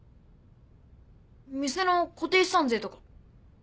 店の固定資産税とか。